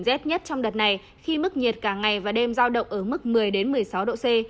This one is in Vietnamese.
rét nhất trong đợt này khi mức nhiệt cả ngày và đêm giao động ở mức một mươi một mươi sáu độ c